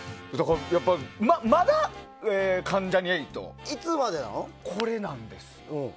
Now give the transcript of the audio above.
まだ、関ジャニ∞。これなんですよ。